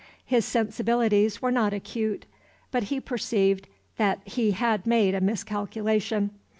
His sensibilities were not acute, but he perceived that he had made a miscalculation.